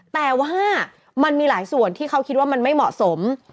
แต่ว่ามันมีหลายส่วนที่เขาคิดว่ามันไม่เหมาะสม